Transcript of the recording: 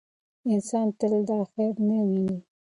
انسان تل دا خیر نه ویني.